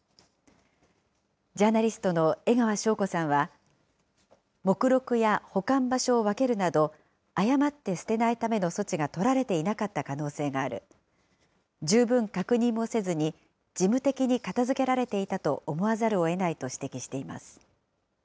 ジャーナリストの江川紹子さんは、目録や保管場所を分けるなど、誤って捨てないための措置が取られていなかった可能性がある、十分確認もせずに、事務的に片づけられていたと思わざるをえないと指摘しています。